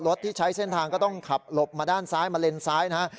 ที่ใช้เส้นทางก็ต้องขับหลบมาด้านซ้ายมาเลนซ้ายนะฮะ